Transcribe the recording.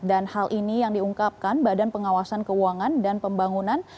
dan hal ini yang diungkapkan badan pengawasan keuangan dan pembangunan